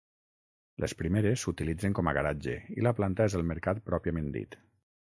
Les primeres s'utilitzen com a garatge i la planta és el mercat pròpiament dit.